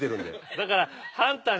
だから。